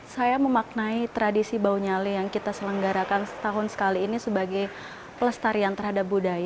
saya memaknai tradisi baunyale yang kita selenggarakan setahun sekali ini sebagai pelestarian terhadap budaya